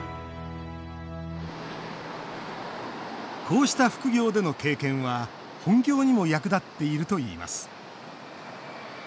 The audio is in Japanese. こうした副業での経験は本業にも役立っているといいます。